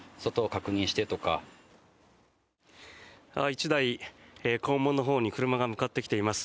１台、校門のほうに車が向かってきています。